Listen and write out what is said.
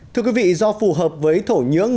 thưa quý vị do phù hợp với thổ nhưỡng